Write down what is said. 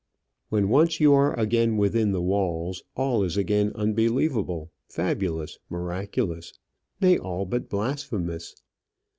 When once you are again within the walls, all is again unbelievable, fabulous, miraculous; nay, all but blasphemous.